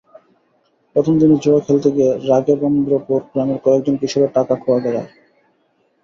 প্রথম দিনই জুয়া খেলতে গিয়ে রাঘবেন্দ্রপুর গ্রামের কয়েকজন কিশোরের টাকা খোয়া যায়।